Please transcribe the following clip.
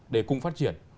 để cùng phát triển